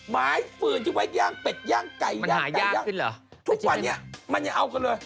ไม้ฟืนที่ไว้ย่างเป็ดย่างไก่ย่างทุกวันเนี่ยมันยังเอากันเลย